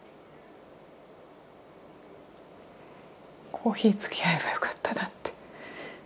コーヒーつきあえばよかったなって。